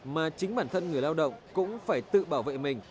mà chính bản thân người lao động cũng phải tự bảo vệ mình